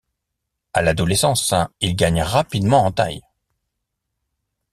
À l'adolescence, il gagne rapidement en taille.